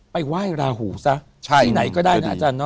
ไปว่ายลาหูซะที่ไหนก็ได้นะอาจารย์